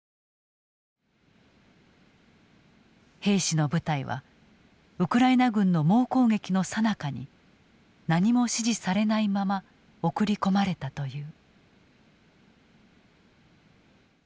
兵士の部隊はウクライナ軍の猛攻撃のさなかに何も指示されないまま送り込まれたという。